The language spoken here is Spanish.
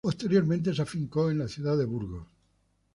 Posteriormente se afincó en la ciudad de Burgos.